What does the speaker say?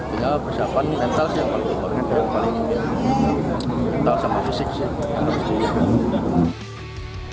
tinggal persiapan mental sih yang paling mental sama fisik sih